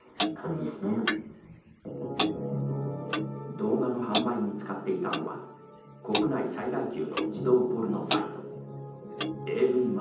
動画の販売に使っていたのは国内最大級の児童ポルノサイト「ＡＶＭａｒｋｅｔ」。